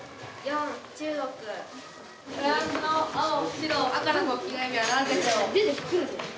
フランスの青白赤の国旗の意味は何でしょう？